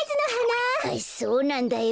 ああそうなんだよ。